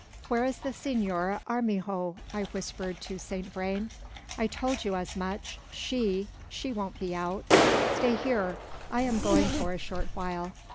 "Where is the Senora Armijo?" I whispered to Saint Vrain. "I told you as much. She! she won't be out. Stay here; I am going for a short while.